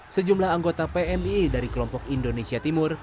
sejumlah anggota pmi dari kelompok indonesia timur